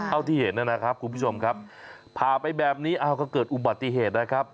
ที่เห็นนะครับคุณผู้ชมครับผ่าไปแบบนี้อ้าวก็เกิดอุบัติเหตุนะครับ